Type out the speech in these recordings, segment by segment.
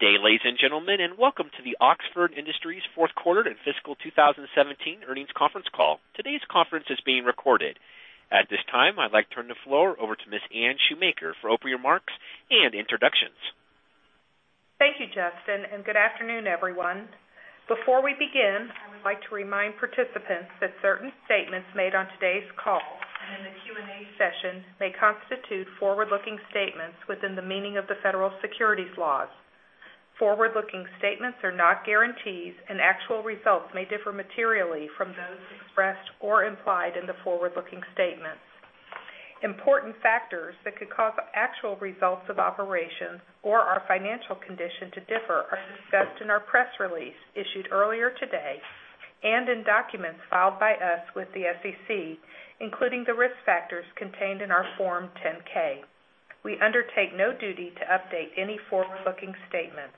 Good day, ladies and gentlemen, welcome to the Oxford Industries fourth quarter and fiscal 2017 earnings conference call. Today's conference is being recorded. At this time, I'd like to turn the floor over to Ms. Anne Shoemaker for opening remarks and introductions. Thank you, Justin, good afternoon, everyone. Before we begin, I would like to remind participants that certain statements made on today's call and in the Q&A session may constitute forward-looking statements within the meaning of the federal securities laws. Forward-looking statements are not guarantees, actual results may differ materially from those expressed or implied in the forward-looking statements. Important factors that could cause actual results of operations or our financial condition to differ are discussed in our press release issued earlier today and in documents filed by us with the SEC, including the risk factors contained in our Form 10-K. We undertake no duty to update any forward-looking statements.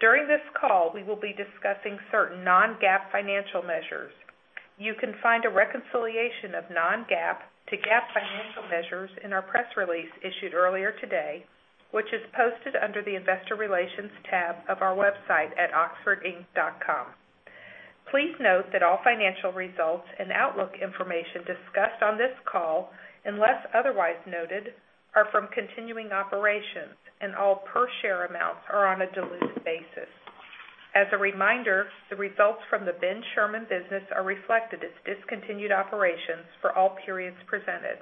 During this call, we will be discussing certain non-GAAP financial measures. You can find a reconciliation of non-GAAP to GAAP financial measures in our press release issued earlier today, which is posted under the investor relations tab of our website at oxfordinc.com. Please note that all financial results and outlook information discussed on this call, unless otherwise noted, are from continuing operations, and all per share amounts are on a diluted basis. As a reminder, the results from the Ben Sherman business are reflected as discontinued operations for all periods presented.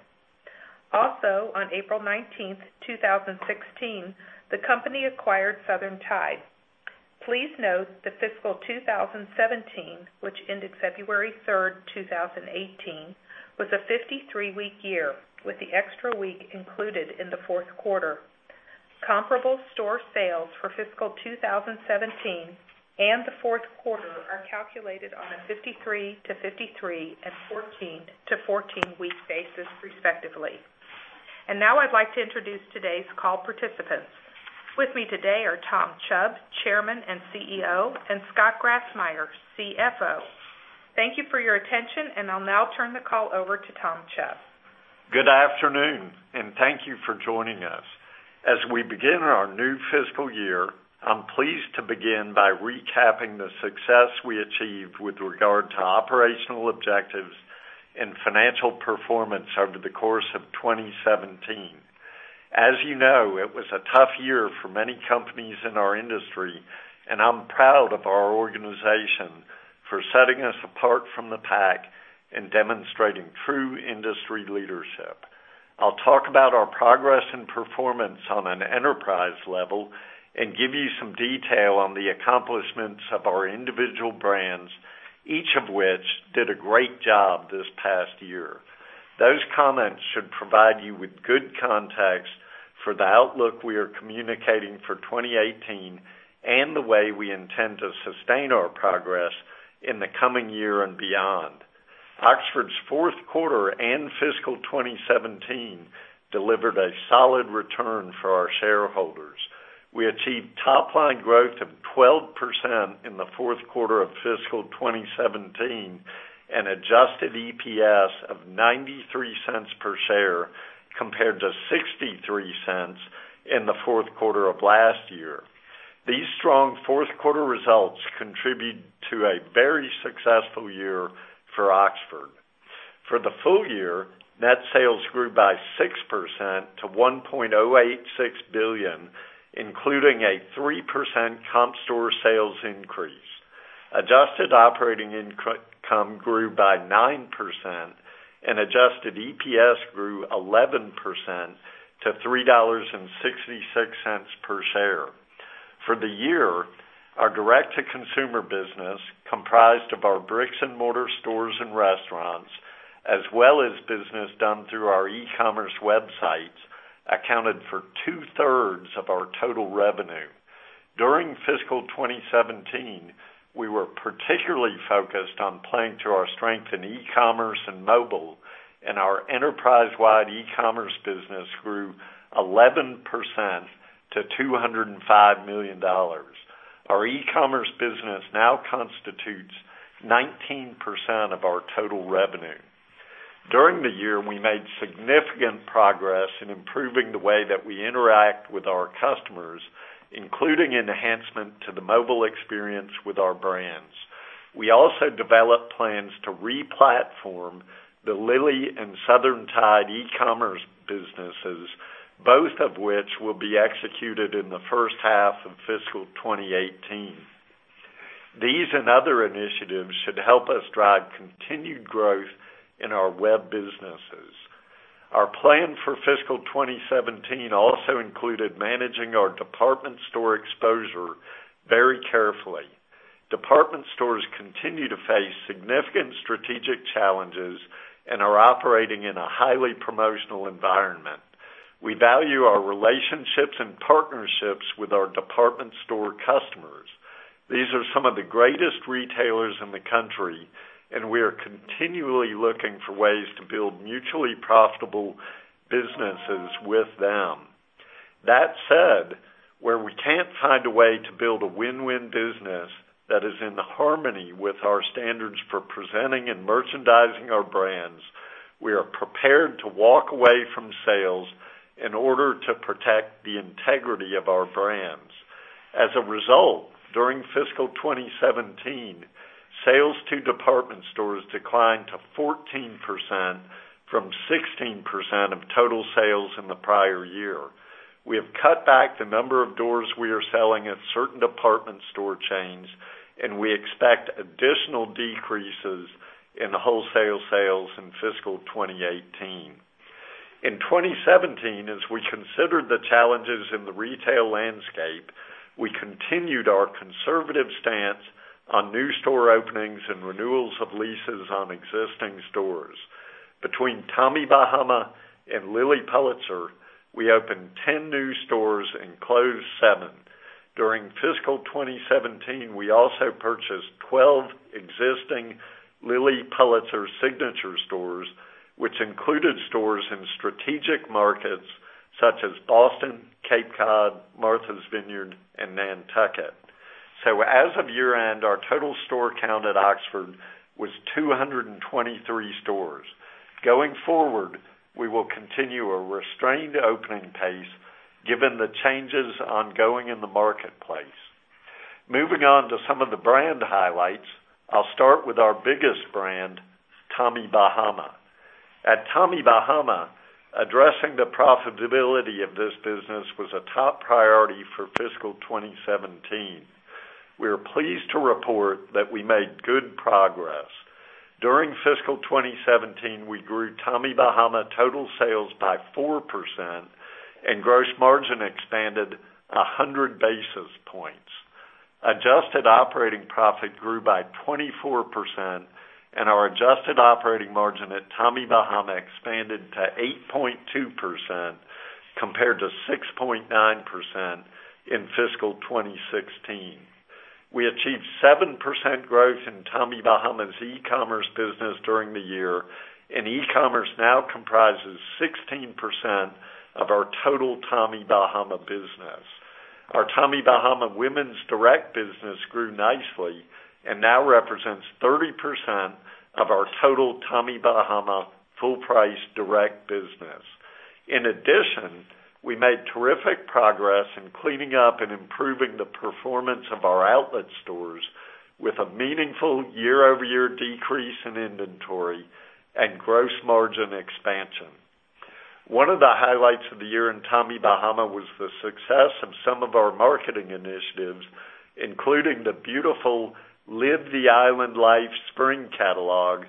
Also, on April 19th, 2016, the company acquired Southern Tide. Please note that fiscal 2017, which ended February 3rd, 2018, was a 53-week year, with the extra week included in the fourth quarter. Comparable store sales for fiscal 2017 and the fourth quarter are calculated on a 53-to-53 and 14-to-14-week basis respectively. Now I'd like to introduce today's call participants. With me today are Tom Chubb, Chairman and CEO, and Scott Grassmyer, CFO. Thank you for your attention, I'll now turn the call over to Tom Chubb. Good afternoon, and thank you for joining us. As we begin our new fiscal year, I'm pleased to begin by recapping the success we achieved with regard to operational objectives and financial performance over the course of 2017. As you know, it was a tough year for many companies in our industry, and I'm proud of our organization for setting us apart from the pack and demonstrating true industry leadership. I'll talk about our progress and performance on an enterprise level and give you some detail on the accomplishments of our individual brands, each of which did a great job this past year. Those comments should provide you with good context for the outlook we are communicating for 2018 and the way we intend to sustain our progress in the coming year and beyond. Oxford's fourth quarter and fiscal 2017 delivered a solid return for our shareholders. We achieved top-line growth of 12% in the fourth quarter of fiscal 2017, an adjusted EPS of $0.93 per share compared to $0.63 in the fourth quarter of last year. These strong fourth quarter results contribute to a very successful year for Oxford. For the full year, net sales grew by 6% to $1.086 billion, including a 3% comp store sales increase. Adjusted operating income grew by 9%, and adjusted EPS grew 11% to $3.66 per share. For the year, our direct-to-consumer business, comprised of our bricks and mortar stores and restaurants, as well as business done through our e-commerce websites, accounted for two-thirds of our total revenue. During fiscal 2017, we were particularly focused on playing to our strength in e-commerce and mobile, and our enterprise-wide e-commerce business grew 11% to $205 million. Our e-commerce business now constitutes 19% of our total revenue. During the year, we made significant progress in improving the way that we interact with our customers, including an enhancement to the mobile experience with our brands. We also developed plans to re-platform the Lilly and Southern Tide e-commerce businesses, both of which will be executed in the first half of fiscal 2018. These and other initiatives should help us drive continued growth in our web businesses. Our plan for fiscal 2017 also included managing our department store exposure very carefully. Department stores continue to face significant strategic challenges and are operating in a highly promotional environment. We value our relationships and partnerships with our department store customers. These are some of the greatest retailers in the country, and we are continually looking for ways to build mutually profitable businesses with them. That said, where we can't find a way to build a win-win business that is in harmony with our standards for presenting and merchandising our brands, we are prepared to walk away from sales in order to protect the integrity of our brands. As a result, during fiscal 2017, sales to department stores declined to 14% from 16% of total sales in the prior year. We have cut back the number of doors we are selling at certain department store chains, and we expect additional decreases in the wholesale sales in fiscal 2018. In 2017, as we considered the challenges in the retail landscape, we continued our conservative stance on new store openings and renewals of leases on existing stores. Between Tommy Bahama and Lilly Pulitzer, we opened 10 new stores and closed seven. During fiscal 2017, we also purchased 12 existing Lilly Pulitzer signature stores, which included stores in strategic markets such as Boston, Cape Cod, Martha's Vineyard, and Nantucket. As of year-end, our total store count at Oxford was 223 stores. Going forward, we will continue a restrained opening pace given the changes ongoing in the marketplace. Moving on to some of the brand highlights. I'll start with our biggest brand, Tommy Bahama. At Tommy Bahama, addressing the profitability of this business was a top priority for fiscal 2017. We are pleased to report that we made good progress. During fiscal 2017, we grew Tommy Bahama total sales by 4%, and gross margin expanded 100 basis points. Adjusted operating profit grew by 24%, and our adjusted operating margin at Tommy Bahama expanded to 8.2% compared to 6.9% in fiscal 2016. We achieved 7% growth in Tommy Bahama's e-commerce business during the year, and e-commerce now comprises 16% of our total Tommy Bahama business. Our Tommy Bahama women's direct business grew nicely and now represents 30% of our total Tommy Bahama full price direct business. In addition, we made terrific progress in cleaning up and improving the performance of our outlet stores with a meaningful year-over-year decrease in inventory and gross margin expansion. One of the highlights of the year in Tommy Bahama was the success of some of our marketing initiatives, including the beautiful Live the Island Life spring catalog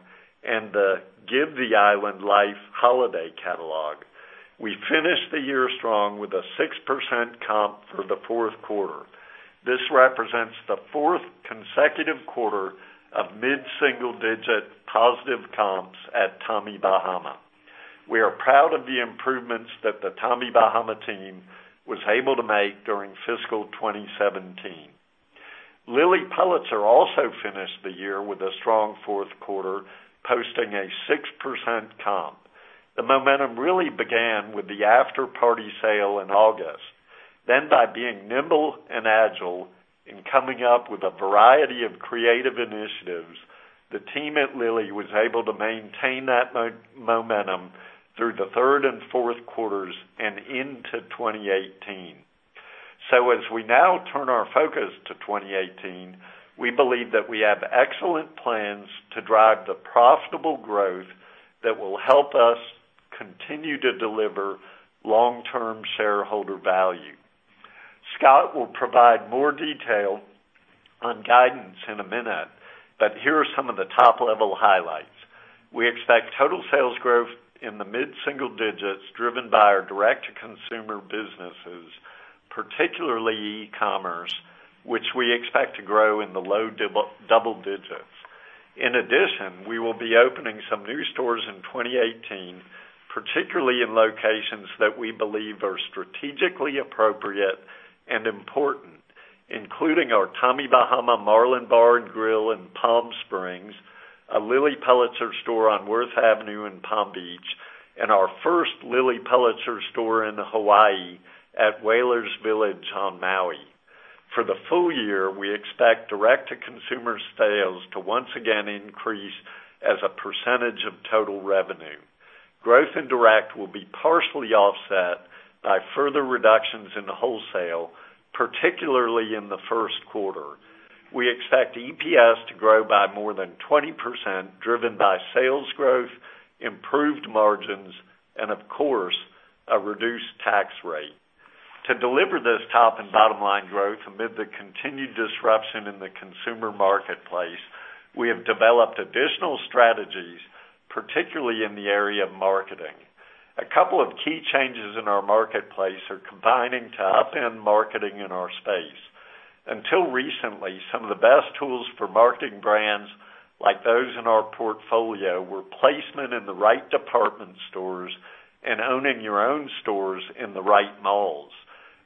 and the Give the Island Life holiday catalog. We finished the year strong with a 6% comp for the fourth quarter. This represents the fourth consecutive quarter of mid-single digit positive comps at Tommy Bahama. We are proud of the improvements that the Tommy Bahama team was able to make during fiscal 2017. Lilly Pulitzer also finished the year with a strong fourth quarter, posting a 6% comp. The momentum really began with the after-party sale in August. By being nimble and agile in coming up with a variety of creative initiatives, the team at Lilly was able to maintain that momentum through the third and fourth quarters and into 2018. As we now turn our focus to 2018, we believe that we have excellent plans to drive the profitable growth that will help us continue to deliver long-term shareholder value. Scott will provide more detail on guidance in a minute, but here are some of the top-level highlights. We expect total sales growth in the mid-single digits, driven by our direct-to-consumer businesses, particularly e-commerce, which we expect to grow in the low double digits. In addition, we will be opening some new stores in 2018, particularly in locations that we believe are strategically appropriate and important, including our Tommy Bahama Marlin Bar & Store in Palm Springs, a Lilly Pulitzer store on Worth Avenue in Palm Beach, and our first Lilly Pulitzer store in Hawaii at Whalers Village on Maui. For the full year, we expect direct-to-consumer sales to once again increase as a percentage of total revenue. Growth in direct will be partially offset by further reductions in the wholesale, particularly in the first quarter. We expect EPS to grow by more than 20%, driven by sales growth, improved margins, and of course, a reduced tax rate. To deliver this top and bottom-line growth amid the continued disruption in the consumer marketplace, we have developed additional strategies, particularly in the area of marketing. A couple of key changes in our marketplace are combining to upend marketing in our space. Until recently, some of the best tools for marketing brands like those in our portfolio were placement in the right department stores and owning your own stores in the right malls.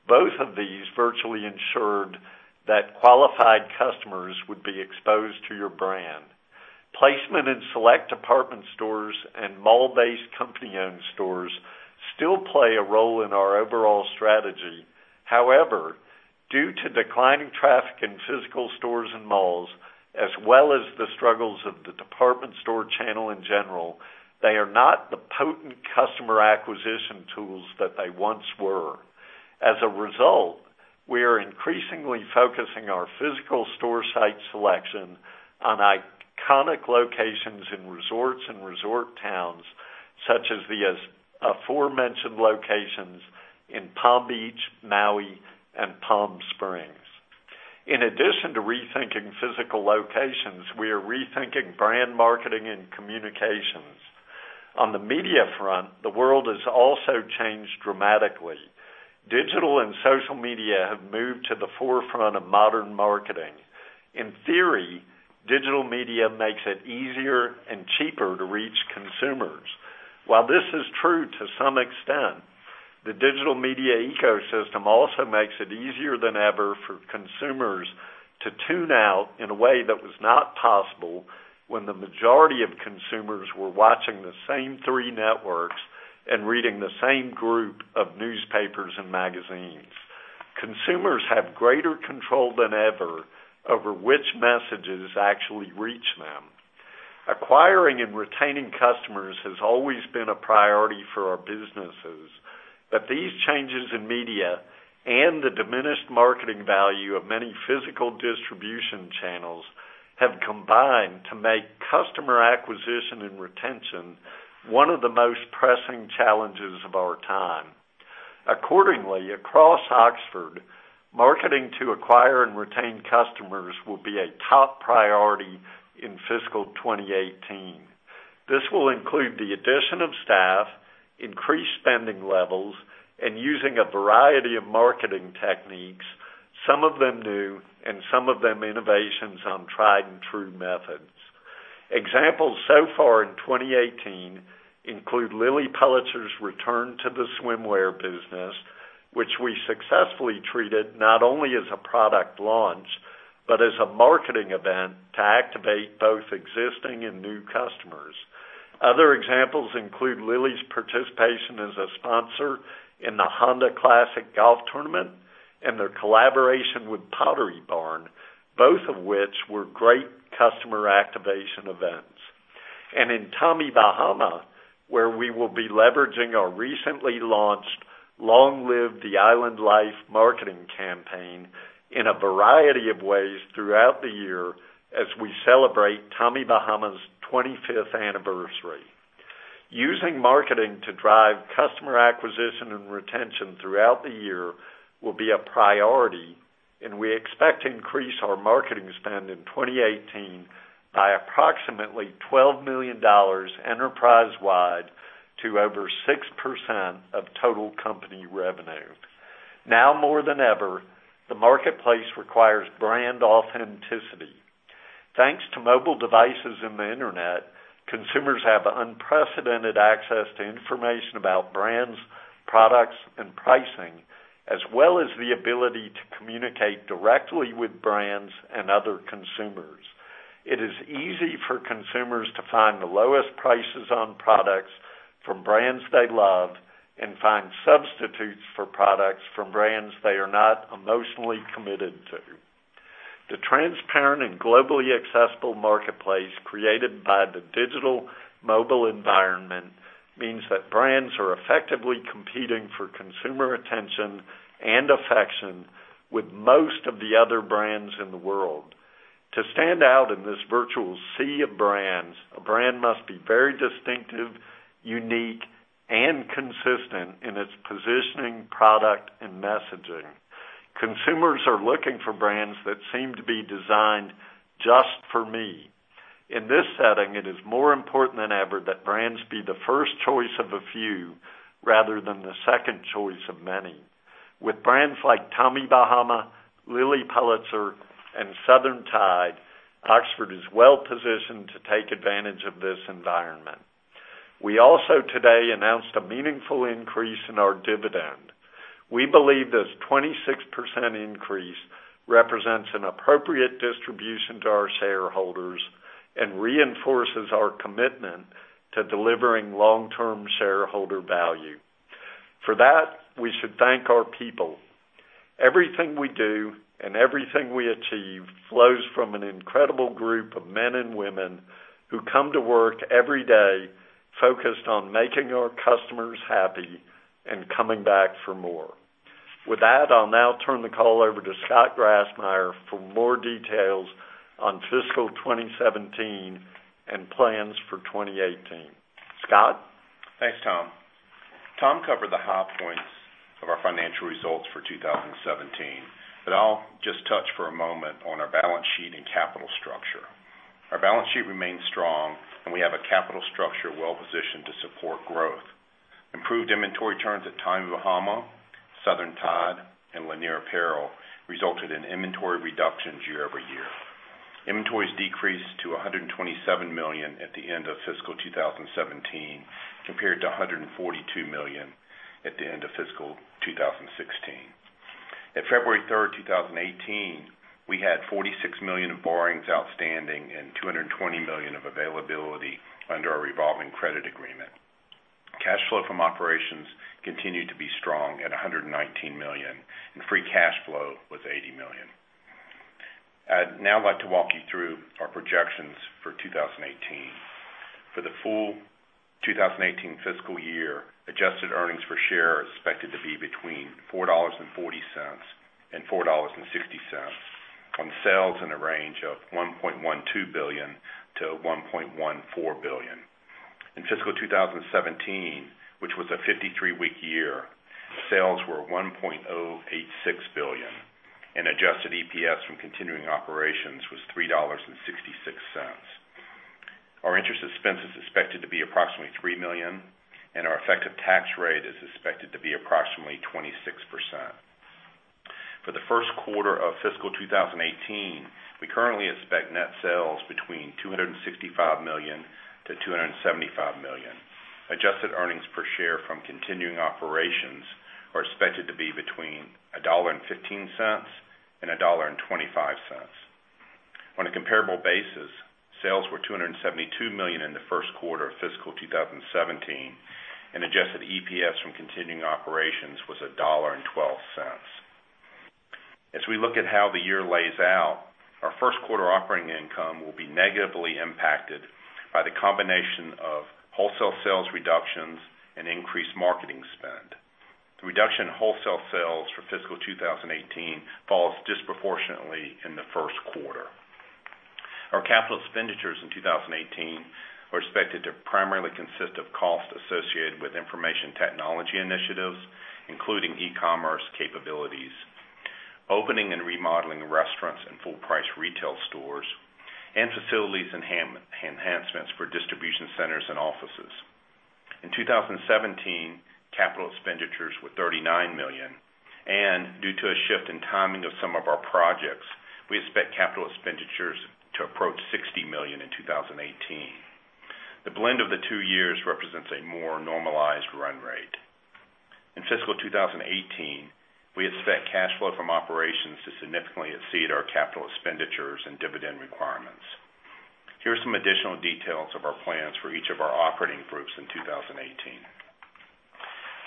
Both of these virtually ensured that qualified customers would be exposed to your brand. Placement in select department stores and mall-based and stores still play a role in our overall strategy. However, due to declining traffic in physical stores and malls, as well as the struggles of the department store channel in general, they are not the potent customer acquisition tools that they once were. As a result, we are increasingly focusing our physical store site selection on iconic locations in resorts and resort towns such as the aforementioned locations in Palm Beach, Maui, and Palm Springs. In addition to rethinking physical locations, we are rethinking brand marketing and communications. On the media front, the world has also changed dramatically. Digital and social media have moved to the forefront of modern marketing. In theory, digital media makes it easier and cheaper to reach consumers. While this is true to some extent, the digital media ecosystem also makes it easier than ever for consumers to tune out in a way that was not possible when the majority of consumers were watching the same three networks and reading the same group of newspapers and magazines. Consumers have greater control than ever over which messages actually reach them. Acquiring and retaining customers has always been a priority for our businesses, but these changes in media and the diminished marketing value of many physical distribution channels have combined to make customer acquisition and retention one of the most pressing challenges of our time. Accordingly, across Oxford, marketing to acquire and retain customers will be a top priority in fiscal 2018. This will include the addition of staff, increased spending levels, and using a variety of marketing techniques, some of them new, and some of them innovations on tried and true methods. Examples so far in 2018 include Lilly Pulitzer's return to the swimwear business, which we successfully treated not only as a product launch, but as a marketing event to activate both existing and new customers. Other examples include Lilly's participation as a sponsor in the Honda Classic Golf Tournament, and their collaboration with Pottery Barn, both of which were great customer activation events. In Tommy Bahama, where we will be leveraging our recently launched Long Live the Island Life marketing campaign in a variety of ways throughout the year, as we celebrate Tommy Bahama's 25th anniversary. Using marketing to drive customer acquisition and retention throughout the year will be a priority, and we expect to increase our marketing spend in 2018 by approximately $12 million enterprise-wide to over 6% of total company revenue. Now more than ever, the marketplace requires brand authenticity. Thanks to mobile devices and the internet, consumers have unprecedented access to information about brands, products, and pricing, as well as the ability to communicate directly with brands and other consumers. It is easy for consumers to find the lowest prices on products from brands they love and find substitutes for products from brands they are not emotionally committed to. The transparent and globally accessible marketplace created by the digital mobile environment means that brands are effectively competing for consumer attention and affection with most of the other brands in the world. To stand out in this virtual sea of brands, a brand must be very distinctive, unique, and consistent in its positioning, product, and messaging. Consumers are looking for brands that seem to be designed just for me. In this setting, it is more important than ever that brands be the first choice of a few rather than the second choice of many. With brands like Tommy Bahama, Lilly Pulitzer, and Southern Tide, Oxford is well-positioned to take advantage of this environment. We also today announced a meaningful increase in our dividend. We believe this 26% increase represents an appropriate distribution to our shareholders and reinforces our commitment to delivering long-term shareholder value. For that, we should thank our people. Everything we do and everything we achieve flows from an incredible group of men and women who come to work every day focused on making our customers happy and coming back for more. With that, I'll now turn the call over to Scott Grassmyer for more details on fiscal 2017 and plans for 2018. Scott? Thanks, Tom. Tom covered the high points of our financial results for 2017, but I'll just touch for a moment on our balance sheet and capital structure. Our balance sheet remains strong, and we have a capital structure well-positioned to support growth. Improved inventory turns at Tommy Bahama, Southern Tide, and Lanier Apparel resulted in inventory reductions year-over-year. Inventories decreased to $127 million at the end of fiscal 2017 compared to $142 At the end of fiscal 2016. At February 3rd, 2018, we had $46 million of borrowings outstanding and $220 million of availability under our revolving credit agreement. Cash flow from operations continued to be strong at $119 million. Free cash flow was $80 million. I'd now like to walk you through our projections for 2018. For the full 2018 fiscal year, adjusted earnings per share are expected to be between $4.40 and $4.60 on sales in a range of $1.12 billion-$1.14 billion. In fiscal 2017, which was a 53-week year, sales were $1.086 billion. Adjusted EPS from continuing operations was $3.66. Our interest expense is expected to be approximately $3 million. Our effective tax rate is expected to be approximately 26%. For the first quarter of fiscal 2018, we currently expect net sales between $265 million-$275 million. Adjusted earnings per share from continuing operations are expected to be between $1.15 and $1.25. On a comparable basis, sales were $272 million in the first quarter of fiscal 2017. Adjusted EPS from continuing operations was $1.12. As we look at how the year lays out, our first quarter operating income will be negatively impacted by the combination of wholesale sales reductions and increased marketing spend. The reduction in wholesale sales for fiscal 2018 falls disproportionately in the first quarter. Our capital expenditures in 2018 are expected to primarily consist of costs associated with information technology initiatives, including e-commerce capabilities, opening and remodeling restaurants and full-price retail stores, and facilities enhancements for distribution centers and offices. In 2017, capital expenditures were $39 million, and due to a shift in timing of some of our projects, we expect capital expenditures to approach $60 million in 2018. The blend of the two years represents a more normalized run rate. In fiscal 2018, we expect cash flow from operations to significantly exceed our capital expenditures and dividend requirements. Here are some additional details of our plans for each of our operating groups in 2018.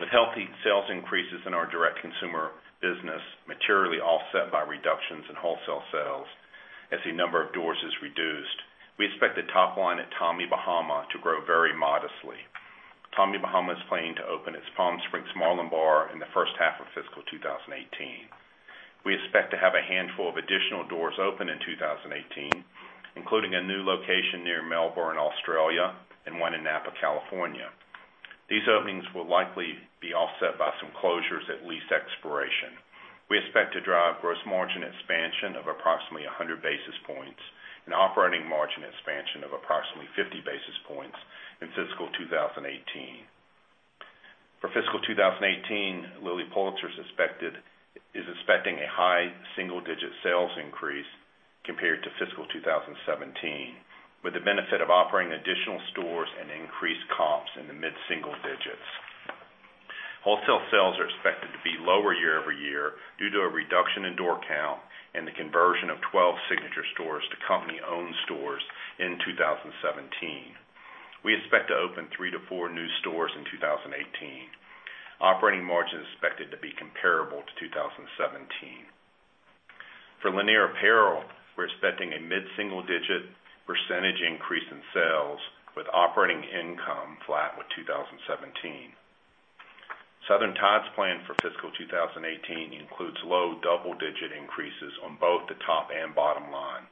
With healthy sales increases in our direct consumer business materially offset by reductions in wholesale sales as the number of doors is reduced, we expect the top line at Tommy Bahama to grow very modestly. Tommy Bahama is planning to open its Palm Springs Marlin Bar in the first half of fiscal 2018. We expect to have a handful of additional doors open in 2018, including a new location near Melbourne, Australia, and one in Napa, California. These openings will likely be offset by some closures at lease expiration. We expect to drive gross margin expansion of approximately 100 basis points and operating margin expansion of approximately 50 basis points in fiscal 2018. For fiscal 2018, Lilly Pulitzer is expecting a high single-digit sales increase compared to fiscal 2017, with the benefit of operating additional stores and increased comps in the mid-single digits. Wholesale sales are expected to be lower year-over-year due to a reduction in door count and the conversion of 12 signature stores to company-owned stores in 2017. We expect to open three to four new stores in 2018. Operating margin is expected to be comparable to 2017. For Lanier Apparel, we're expecting a mid-single-digit percentage increase in sales, with operating income flat with 2017. Southern Tide's plan for fiscal 2018 includes low double-digit increases on both the top and bottom line.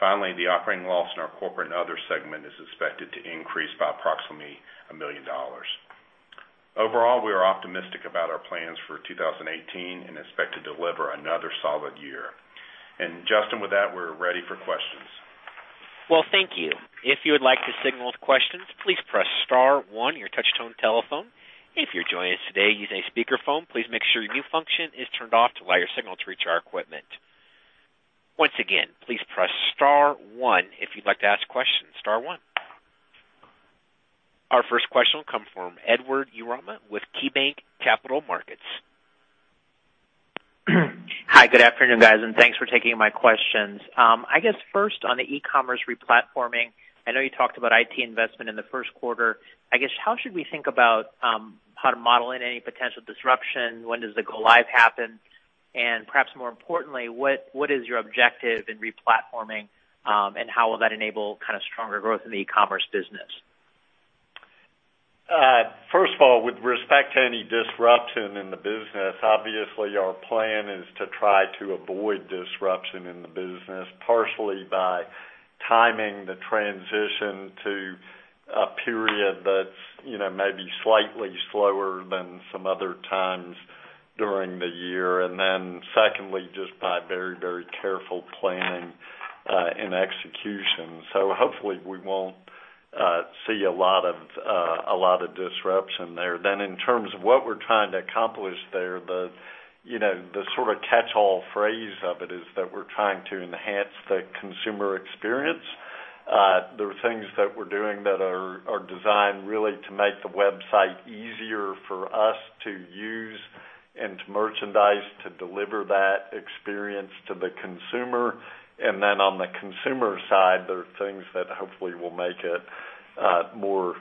The operating loss in our corporate other segment is expected to increase by approximately $1 million. Overall, we are optimistic about our plans for 2018 and expect to deliver another solid year. Justin, with that, we're ready for questions. Well, thank you. If you would like to signal with questions, please press star one on your touch-tone telephone. If you're joining us today using a speakerphone, please make sure your mute function is turned off to allow your signal to reach our equipment. Once again, please press star one if you'd like to ask questions. Star one. Our first question will come from Edward Yruma with KeyBanc Capital Markets. Hi. Good afternoon, guys. Thanks for taking my questions. I guess first on the e-commerce replatforming, I know you talked about IT investment in the first quarter. I guess, how should we think about how to model in any potential disruption? When does the go-live happen? Perhaps more importantly, what is your objective in replatforming, and how will that enable kind of stronger growth in the e-commerce business? First of all, with respect to any disruption in the business, obviously our plan is to try to avoid disruption in the business, partially by timing the transition to a period that's maybe slightly slower than some other times during the year, and then secondly, just by very careful planning and execution. Hopefully we won't see a lot of disruption there. In terms of what we're trying to accomplish there, the sort of catchall phrase of it is that we're trying to enhance the consumer experience. There are things that we're doing that are designed really to make the website easier for us to use and to merchandise, to deliver that experience to the consumer. On the consumer side, there are things that hopefully will make it more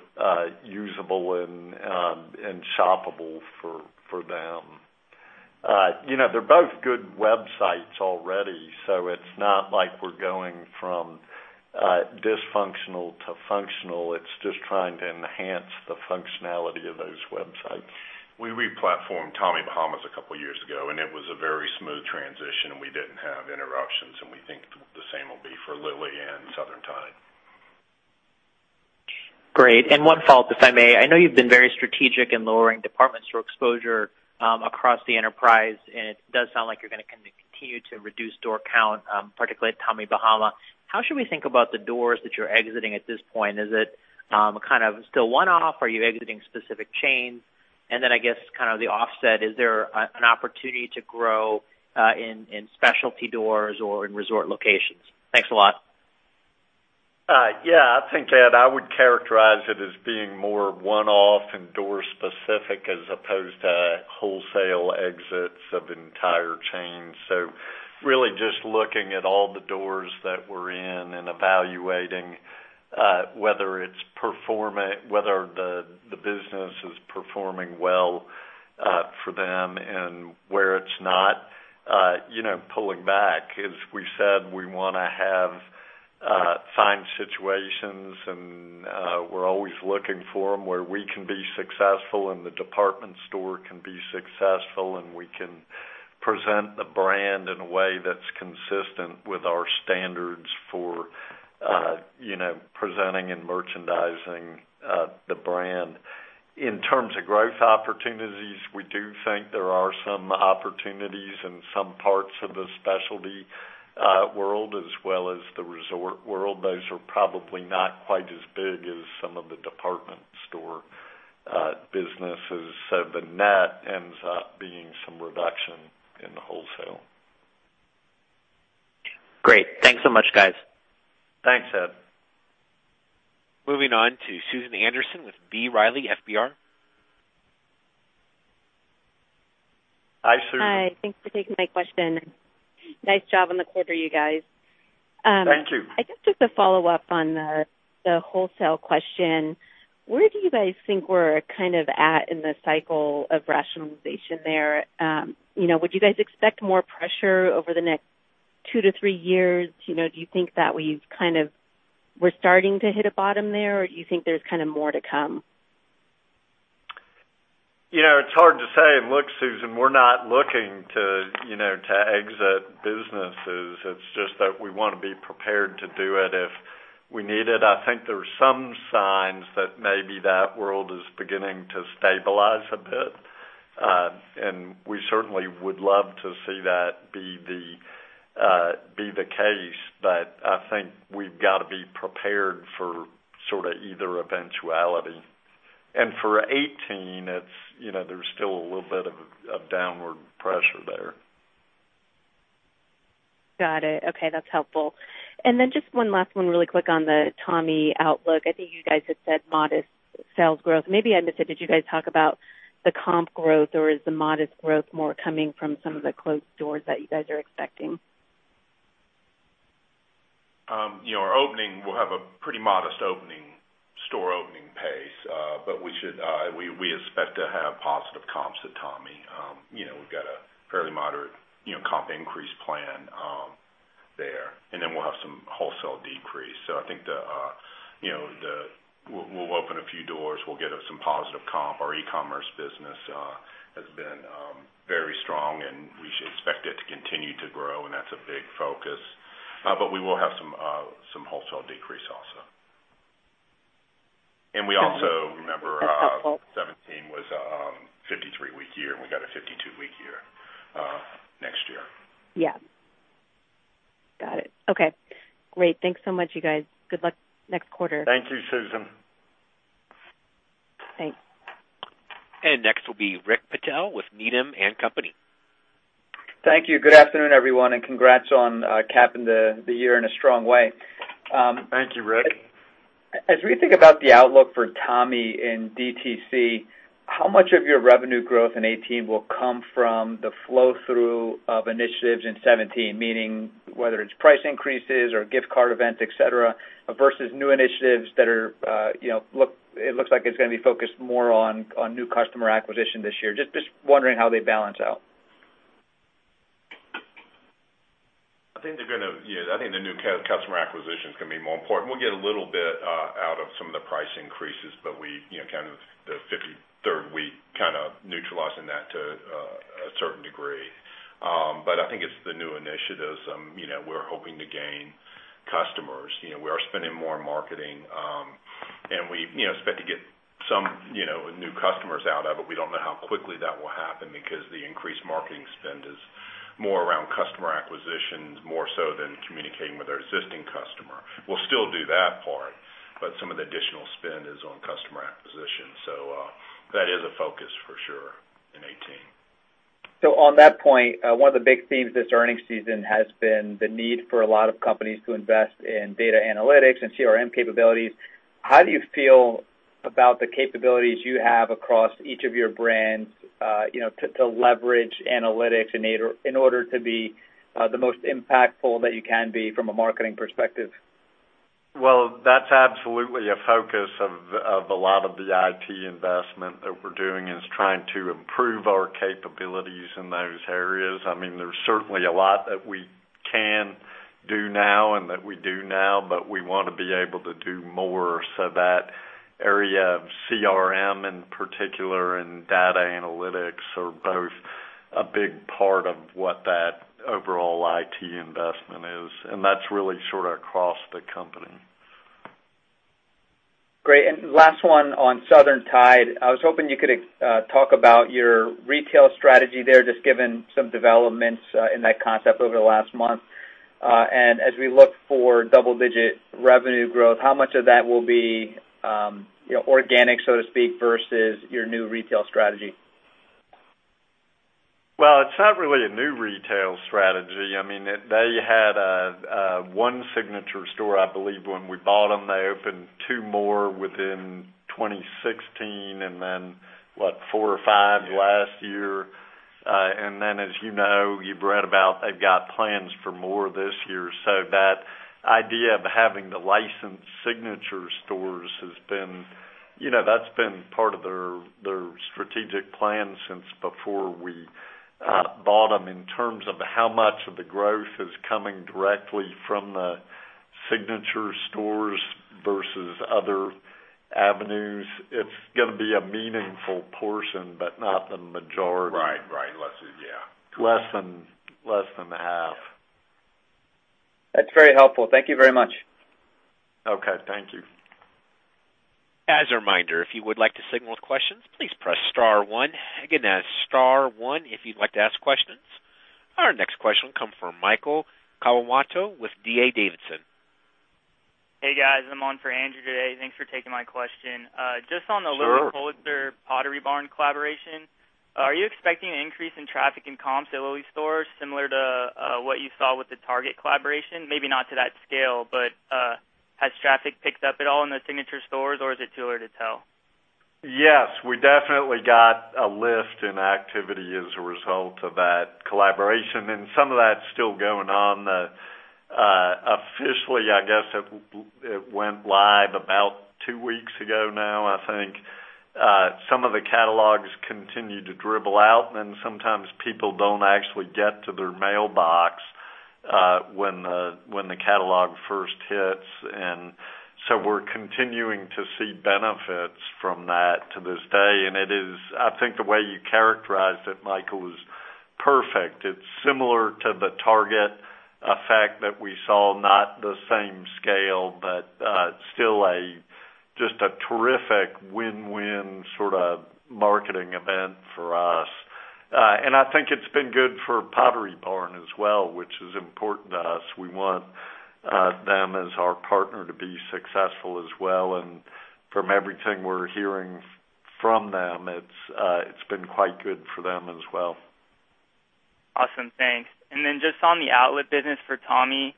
usable and shoppable for them. They're both good websites already, so it's not like we're going from dysfunctional to functional. It's just trying to enhance the functionality of those websites. We re-platformed Tommy Bahama a couple of years ago. It was a very smooth transition. We didn't have interruptions. We think the same will be for Lilly and Southern Tide. Great. One follow-up, if I may. I know you've been very strategic in lowering department store exposure across the enterprise. It does sound like you're going to continue to reduce door count, particularly at Tommy Bahama. How should we think about the doors that you're exiting at this point? Is it still one-off? Are you exiting specific chains? Then I guess the offset, is there an opportunity to grow in specialty doors or in resort locations? Thanks a lot. Yeah. I think, Ed, I would characterize it as being more one-off and door specific as opposed to wholesale exits of entire chains. Really just looking at all the doors that we're in and evaluating whether the business is performing well for them. Where it's not, pulling back. As we said, we want to have signed situations. We're always looking for them where we can be successful. The department store can be successful. We can present the brand in a way that's consistent with our standards for presenting and merchandising the brand. In terms of growth opportunities, we do think there are some opportunities in some parts of the specialty world as well as the resort world. Those are probably not quite as big as some of the department store businesses. The net ends up being some reduction in the wholesale. Great. Thanks so much, guys. Thanks, Ed. Moving on to Susan Anderson with B. Riley FBR. Hi, Susan. Hi. Thanks for taking my question. Nice job on the quarter, you guys. Thank you. I guess just to follow up on the wholesale question, where do you guys think we're at in the cycle of rationalization there? Would you guys expect more pressure over the next 2-3 years? Do you think that we're starting to hit a bottom there, or do you think there's more to come? It's hard to say. Look, Susan, we're not looking to exit businesses. It's just that we want to be prepared to do it if we need it. I think there are some signs that maybe that world is beginning to stabilize a bit. We certainly would love to see that be the case, but I think we've got to be prepared for either eventuality. For 2018, there's still a little bit of downward pressure there. Got it. Okay, that's helpful. Just one last one really quick on the Tommy outlook. I think you guys had said modest sales growth. Maybe I missed it. Did you guys talk about the comp growth, or is the modest growth more coming from some of the closed doors that you guys are expecting? Our opening will have a pretty modest store opening pace. We expect to have positive comps at Tommy. We've got a fairly moderate comp increase plan there, we'll have some wholesale decrease. I think we'll open a few doors. We'll get some positive comp. Our e-commerce business has been very strong, and we should expect it to continue to grow, and that's a big focus. We will have some wholesale decrease also. We also remember. That's helpful. 2017 was a 53-week year, we got a 52-week year next year. Yeah. Got it. Okay. Great. Thanks so much, you guys. Good luck next quarter. Thank you, Susan. Thanks. Next will be Rick Patel with Needham & Company. Thank you. Good afternoon, everyone, congrats on capping the year in a strong way. Thank you, Rick. As we think about the outlook for Tommy Bahama in DTC, how much of your revenue growth in 2018 will come from the flow-through of initiatives in 2017, meaning whether it's price increases or gift card events, et cetera, versus new initiatives that it looks like it's going to be focused more on new customer acquisition this year? Just wondering how they balance out. I think the new customer acquisition's going to be more important. We'll get a little bit out of some of the price increases, but the 53rd week kind of neutralizing that to a certain degree. I think it's the new initiatives. We're hoping to gain customers. We are spending more on marketing, and we expect to get some new customers out of it. We don't know how quickly that will happen because the increased marketing spend is more around customer acquisitions, more so than communicating with our existing customer. We'll still do that part, but some of the additional spend is on customer acquisition. That is a focus for sure in 2018. On that point, one of the big themes this earnings season has been the need for a lot of companies to invest in data analytics and CRM capabilities. How do you feel about the capabilities you have across each of your brands, to leverage analytics in order to be the most impactful that you can be from a marketing perspective? Well, that's absolutely a focus of a lot of the IT investment that we're doing is trying to improve our capabilities in those areas. There's certainly a lot that we can do now and that we do now, but we want to be able to do more. That area of CRM in particular and data analytics are both a big part of what that overall IT investment is, and that's really sort of across the company. Great. Last one on Southern Tide. I was hoping you could talk about your retail strategy there, just given some developments in that concept over the last month. As we look for double-digit revenue growth, how much of that will be organic, so to speak, versus your new retail strategy? Well, it's not really a new retail strategy. They had one signature store, I believe, when we bought them. They opened two more within 2016, what? Four or five last year. As you know, you've read about, they've got plans for more this year. That idea of having the licensed signature stores, that's been part of their strategic plan since before we bought them. In terms of how much of the growth is coming directly from the signature stores versus other avenues, it's going to be a meaningful portion, but not the majority. Right. Yeah. Less than half. That's very helpful. Thank you very much. Okay. Thank you. As a reminder, if you would like to signal with questions, please press star one. Again, that's star one if you'd like to ask questions. Our next question will come from Michael Kawamoto with D.A. Davidson. Hey, guys. I'm on for Andrew today. Thanks for taking my question. Sure. Just on the Lilly Pulitzer Pottery Barn collaboration, are you expecting an increase in traffic in comp stores similar to what you saw with the Target collaboration? Maybe not to that scale, but has traffic picked up at all in the signature stores, or is it too early to tell? Yes, we definitely got a lift in activity as a result of that collaboration, and some of that's still going on. Officially, I guess, it went live about two weeks ago now, I think. Some of the catalogs continue to dribble out, and sometimes people don't actually get to their mailbox when the catalog first hits. We're continuing to see benefits from that to this day. I think the way you characterized it, Michael, was perfect. It's similar to the Target effect that we saw, not the same scale, but still just a terrific win-win sort of marketing event for us. I think it's been good for Pottery Barn as well, which is important to us. We want them as our partner to be successful as well. From everything we're hearing from them, it's been quite good for them as well. Awesome. Thanks. Just on the outlet business for Tommy,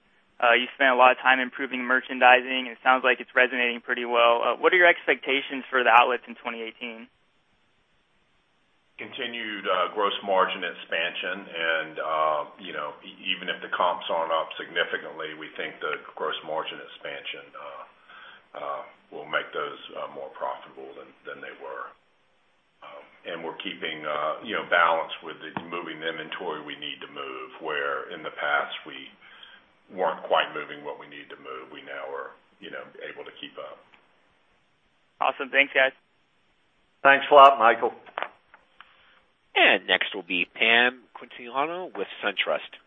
you spent a lot of time improving merchandising, and it sounds like it's resonating pretty well. What are your expectations for the outlets in 2018? Continued gross margin expansion. Even if the comps aren't up significantly, we think the gross margin expansion will make those more profitable than they were. We're keeping balance with moving the inventory we need to move, where in the past, we weren't quite moving what we need to move. We now are able to keep up. Awesome. Thanks, guys. Thanks a lot, Michael. Next will be Pam Quintiliano with SunTrust.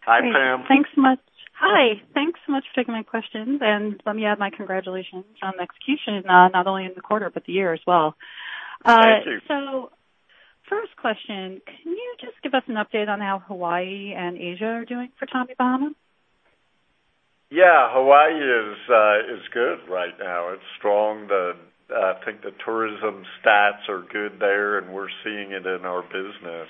Hi, Pam. Hi. Thanks so much for taking my questions. Let me add my congratulations on the execution, not only in the quarter but the year as well. Thank you. First question, can you just give us an update on how Hawaii and Asia are doing for Tommy Bahama? Yeah, Hawaii is good right now. It's strong. I think the tourism stats are good there. We're seeing it in our business.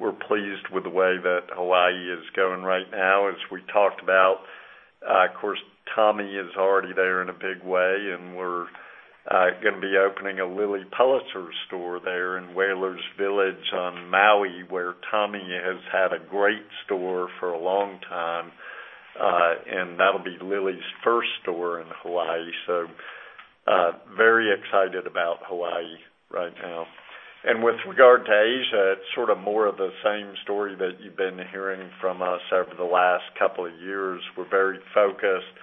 We're pleased with the way that Hawaii is going right now. As we talked about, of course, Tommy is already there in a big way. We're going to be opening a Lilly Pulitzer store there in Whalers Village on Maui, where Tommy has had a great store for a long time. That'll be Lilly's first store in Hawaii. Very excited about Hawaii right now. With regard to Asia, it's sort of more of the same story that you've been hearing from us over the last couple of years. We're very focused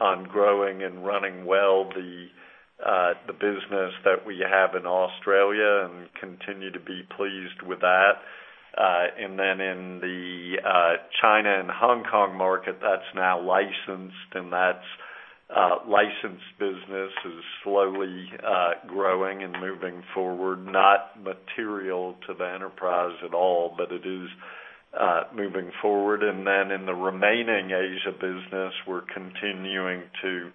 on growing and running well the business that we have in Australia and continue to be pleased with that. In the China and Hong Kong market, that's now licensed, and that licensed business is slowly growing and moving forward. Not material to the enterprise at all, but it is moving forward. In the remaining Asia business, we're continuing to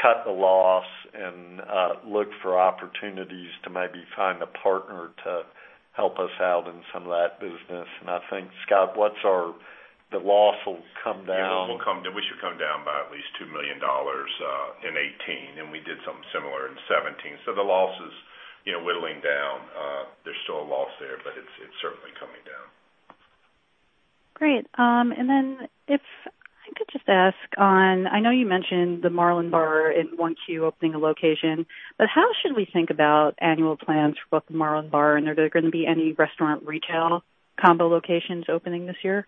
cut the loss and look for opportunities to maybe find a partner to help us out in some of that business. I think, Scott, the loss will come down. We should come down by at least $2 million in 2018, and we did something similar in 2017. The loss is whittling down. There's still a loss there, it's certainly coming down. Great. If I could just ask on, I know you mentioned the Marlin Bar in Waikiki opening a location, how should we think about annual plans for both the Marlin Bar, and are there going to be any restaurant retail combo locations opening this year?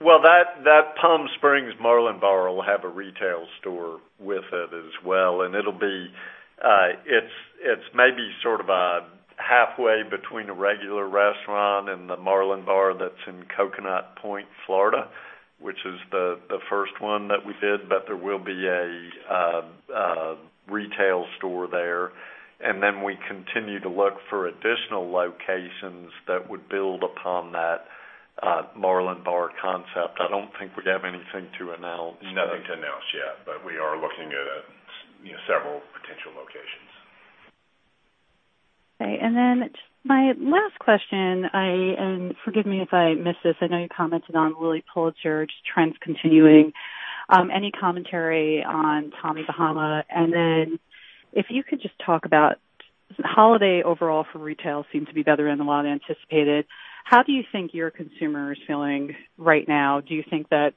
Well, that Palm Springs Marlin Bar will have a retail store with it as well. It's maybe sort of halfway between a regular restaurant and the Marlin Bar that's in Coconut Point, Florida, which is the first one that we did. There will be a retail store there. We continue to look for additional locations that would build upon that Marlin Bar concept. I don't think we have anything to announce. Nothing to announce yet, we are looking at several potential locations. Okay, my last question, and forgive me if I missed this. I know you commented on Lilly Pulitzer, just trends continuing. Any commentary on Tommy Bahama? If you could just talk about holiday overall for retail seemed to be better than a lot anticipated. How do you think your consumer is feeling right now? Do you think that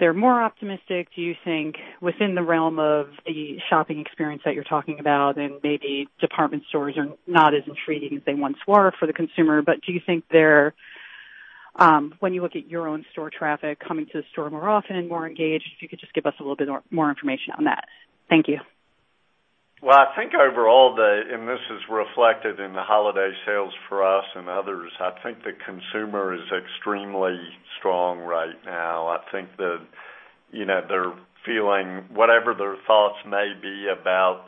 they're more optimistic? Do you think within the realm of the shopping experience that you're talking about and maybe department stores are not as intriguing as they once were for the consumer, but do you think they're, when you look at your own store traffic, coming to the store more often and more engaged? If you could just give us a little bit more information on that. Thank you. Well, I think overall, this is reflected in the holiday sales for us and others, I think the consumer is extremely strong right now. I think that they're feeling whatever their thoughts may be about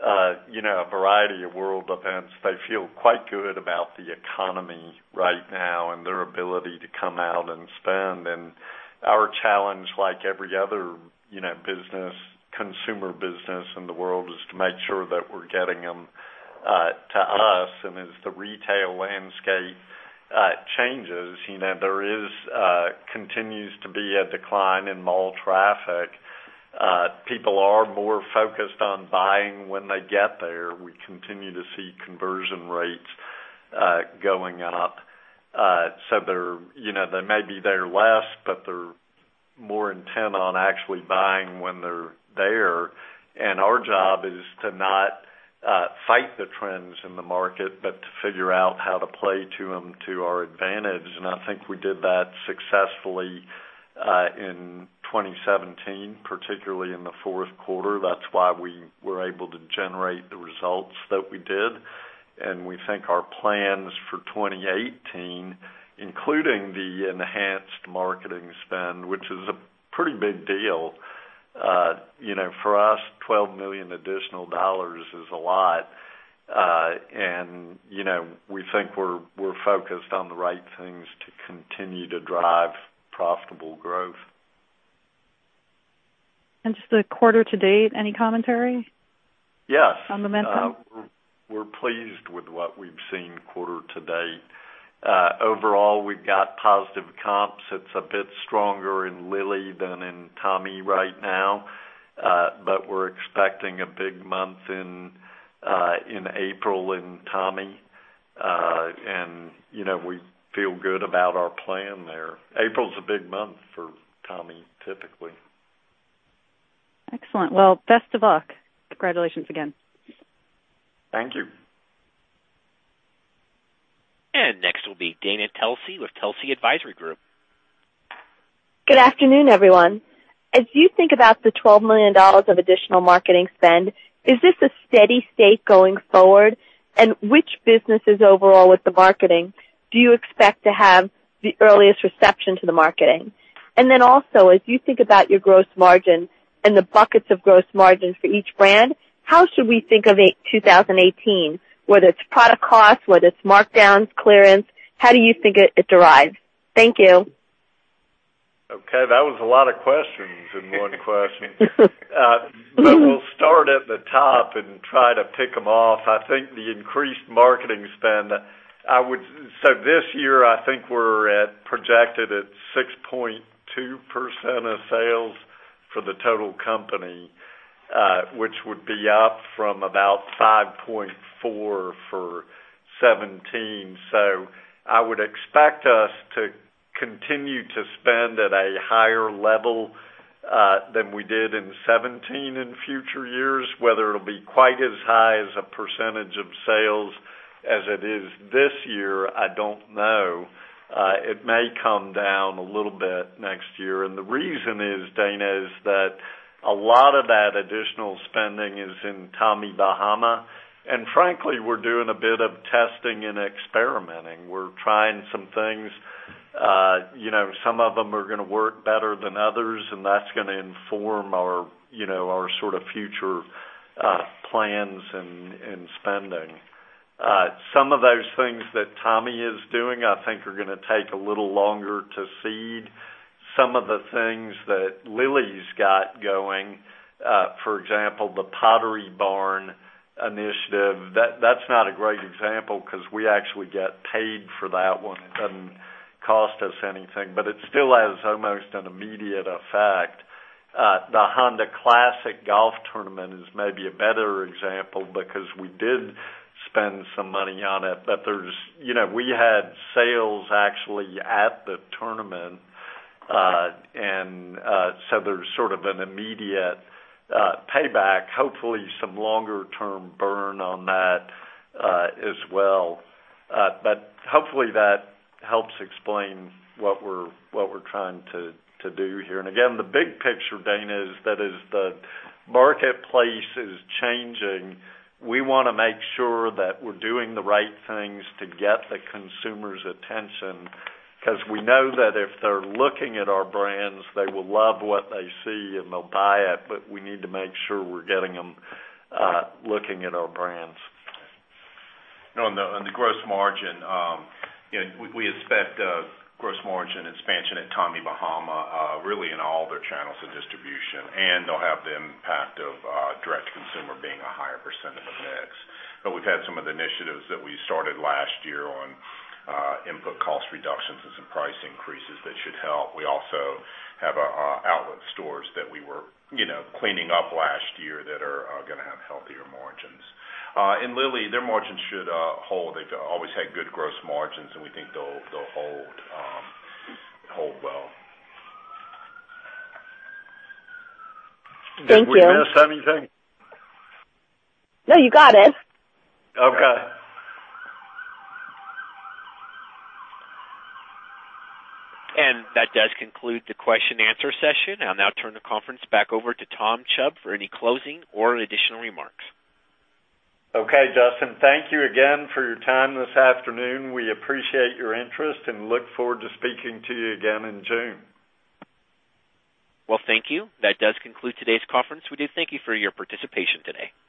a variety of world events, they feel quite good about the economy right now and their ability to come out and spend. Our challenge, like every other consumer business in the world, is to make sure that we're getting them to us. As the retail landscape changes, there continues to be a decline in mall traffic. People are more focused on buying when they get there. We continue to see conversion rates going up. They may be there less, but they're more intent on actually buying when they're there. Our job is to not fight the trends in the market, but to figure out how to play to them to our advantage. I think we did that successfully in 2017, particularly in the fourth quarter. That's why we were able to generate the results that we did. We think our plans for 2018, including the enhanced marketing spend, which is a pretty big deal. For us, $12 million additional dollars is a lot. We think we're focused on the right things to continue to drive profitable growth. Just the quarter to date, any commentary? Yes. On momentum. We're pleased with what we've seen quarter to date. Overall, we've got positive comps. It's a bit stronger in Lilly than in Tommy right now. We're expecting a big month in April in Tommy. We feel good about our plan there. April's a big month for Tommy, typically. Excellent. Well, best of luck. Congratulations again. Thank you. Next will be Dana Telsey with Telsey Advisory Group. Good afternoon, everyone. As you think about the $12 million of additional marketing spend, is this a steady state going forward? Which businesses overall with the marketing do you expect to have the earliest reception to the marketing? Also, as you think about your gross margin and the buckets of gross margin for each brand, how should we think of 2018, whether it's product costs, whether it's markdowns, clearance? How do you think it derives? Thank you. Okay, that was a lot of questions in one question. We'll start at the top and try to pick them off. I think the increased marketing spend, this year, I think we're projected at 6.2% of sales for the total company, which would be up from about 5.4% for 2017. I would expect us to continue to spend at a higher level than we did in 2017 in future years. Whether it'll be quite as high as a percentage of sales as it is this year, I don't know. It may come down a little bit next year. The reason is, Dana, is that a lot of that additional spending is in Tommy Bahama, and frankly, we're doing a bit of testing and experimenting. We're trying some things. Some of them are going to work better than others, and that's going to inform our future plans and spending. Some of those things that Tommy is doing, I think, are going to take a little longer to seed. Some of the things that Lilly's got going, for example, the Pottery Barn initiative, that's not a great example because we actually get paid for that one. It doesn't cost us anything, it still has almost an immediate effect. The Honda Classic golf tournament is maybe a better example because we did spend some money on it. We had sales actually at the tournament, there's sort of an immediate payback, hopefully some longer term burn on that as well. Hopefully that helps explain what we're trying to do here. Again, the big picture, Dana, is that as the marketplace is changing, we want to make sure that we're doing the right things to get the consumer's attention because we know that if they're looking at our brands, they will love what they see, and they'll buy it. We need to make sure we're getting them looking at our brands. On the gross margin, we expect gross margin expansion at Tommy Bahama really in all their channels of distribution, and they'll have the impact of direct-to-consumer being a higher percentage of mix. We've had some of the initiatives that we started last year on input cost reductions and some price increases that should help. We also have our outlet stores that we were cleaning up last year that are going to have healthier margins. In Lilly, their margins should hold. They've always had good gross margins, and we think they'll hold well. Thank you. Did we miss anything? No, you got it. Okay. That does conclude the question and answer session. I'll now turn the conference back over to Tom Chubb for any closing or additional remarks. Okay, Justin. Thank you again for your time this afternoon. We appreciate your interest and look forward to speaking to you again in June. Well, thank you. That does conclude today's conference. We do thank you for your participation today.